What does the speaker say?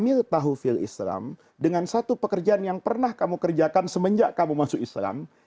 itu pekerjaan yang pernah kamu kerjakan semenjak kamu masuk islam